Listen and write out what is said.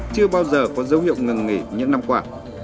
chưa bao giờ có dấu hiệu ngừng nghỉ những năm qua